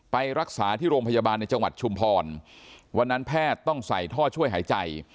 ไปรักษาที่โรงพยาบาลในจังหวัดชุมพรวันนั้นแพทย์ต้องใส่ท่อช่วยหายใจ